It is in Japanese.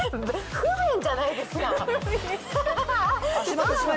不便じゃないですか？